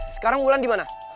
sekarang wulan dimana